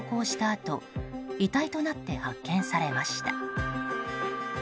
あと遺体となって発見されました。